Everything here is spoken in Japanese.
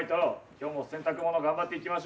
今日も洗濯物頑張っていきましょう。